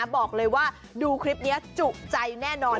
บอกเลยว่าดูคลิปนี้จุใจแน่นอน